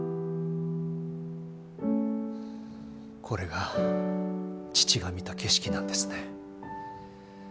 これが父が見た景色なんですね。